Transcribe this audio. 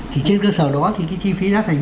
thì trên cơ sở đó thì cái chi phí giá thành